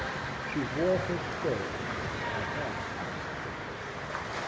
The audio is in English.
She wore her skirt at half mast.